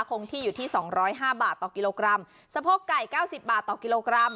คงที่อยู่ที่สองร้อยห้าบาทต่อกิโลกรัมสะโพกไก่เก้าสิบบาทต่อกิโลกรัม